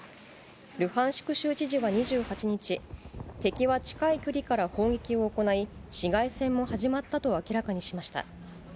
ルハンシク州知事は２８日、敵は近い距離から砲撃を行い、市街戦も始まったと明らかにしました。